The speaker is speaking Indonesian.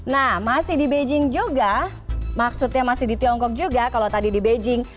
nah masih di beijing juga maksudnya masih di tiongkok juga kalau tadi di beijing